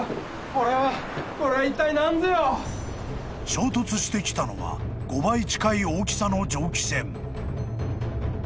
［衝突してきたのは５倍近い大きさの蒸気船］